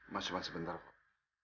masuk masuk sebentar kok